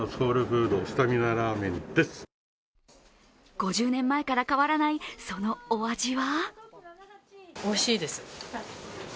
５０年前から変わらないそのお味は？